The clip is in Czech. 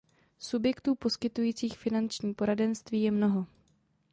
Subjektů poskytujících finanční poradenství je mnoho.